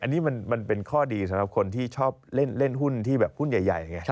อันนี้มันเป็นข้อดีสำหรับคนที่ชอบเล่นหุ้นที่แบบหุ้นใหญ่ไง